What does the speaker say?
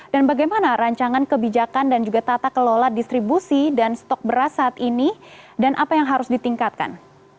dan bagaimana rancangan kebijakan dan juga tata kelola distribusi dan stok beras saat ini dan apa yang harus ditingkatkan